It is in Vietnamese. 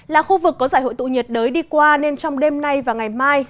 là khu vực có giải hội tụ nhiệt đới đi qua nên trong đêm nay và ngày mai